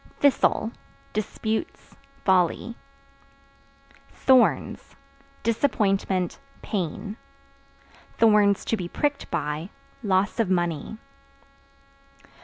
Thistle Disputes, folly. Thorns Disappointment, pain; (to be pricked by) loss of money.